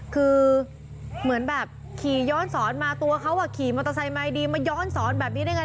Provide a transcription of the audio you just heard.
คือเหมือนแบบขี่ย้อนสอนมาตัวเขาขี่มอเตอร์ไซค์มาดีมาย้อนสอนแบบนี้ได้ไง